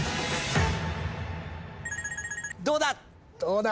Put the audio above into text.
どうだ！？